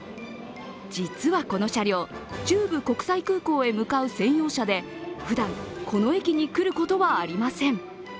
実はこの車両、中部国際空港へ向かう専用列車で、ふだん、この駅に来ることはありません。